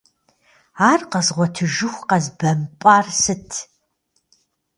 Ар къэзгъуэтыжыху къэзбэмпӏар сыт?!